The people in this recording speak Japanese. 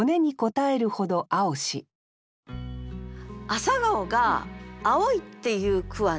朝顔が青いっていう句はね